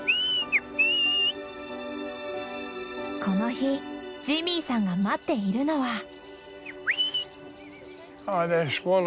この日ジミーさんが待っているのは。